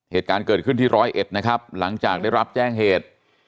เหตุการณ์เกิดขึ้นที่ร้อยเอ็ดนะครับหลังจากได้รับแจ้งเหตุ